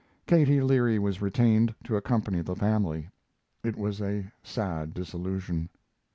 Katie Leary was retained to accompany the family. It was a sad dissolution.